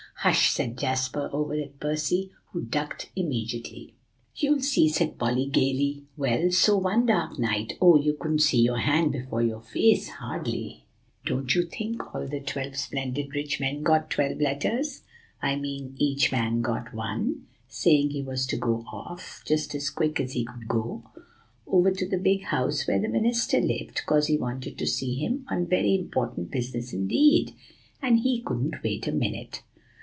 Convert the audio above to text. "Hush!" said Jasper, over at Percy, who ducked immediately. "You'll see," said Polly gayly. "Well, so one dark night, oh! you couldn't see your hand before your face hardly, don't you think, all the twelve splendid rich men got twelve letters I mean each man got one saying he was to go off, just as quick as he could go, over to the big house where the minister lived, 'cause he wanted to see him on very important business indeed, and he couldn't wait a minute.